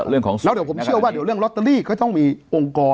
แล้วเดี๋ยวผมเชื่อว่าเดี๋ยวเรื่องลอตเตอรี่ก็ต้องมีองค์กร